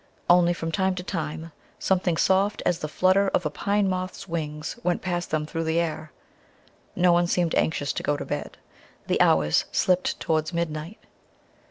Only, from time to time, something soft as the flutter of a pine moth's wings went past them through the air. No one seemed anxious to go to bed. The hours slipped towards midnight.